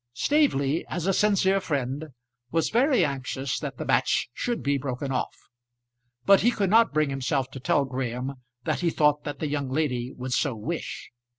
Staveley, as a sincere friend, was very anxious that the match should be broken off; but he could not bring himself to tell Graham that he thought that the young lady would so wish.